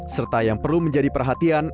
serta yang perlu menjadi perhatian